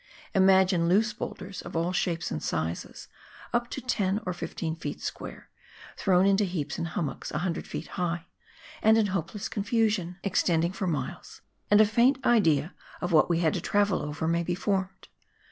Imagine loose boulders of all shapes and sizes up to 10 or 15 ft. square thrown into heaps and hummocks 100 ft. high and in hopeless confusion, extend ing for miles, and a faint idea of what we had to travel over may be formed.